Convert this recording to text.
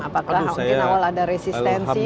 apakah mungkin awal ada resistensi